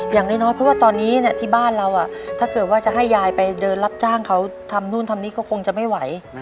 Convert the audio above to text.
อย่างน้อยเพราะว่าตอนนี้ที่บ้านเราถ้าเกิดว่าจะให้ยายไปเดินรับจ้างเขาทำนู่นทำนี่ก็คงจะไม่ไหว